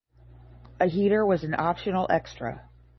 A heater was an optional extra.